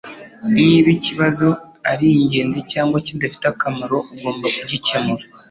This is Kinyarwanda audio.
Niba ikibazo ari ingenzi cyangwa kidafite akamaro ugomba kugikemura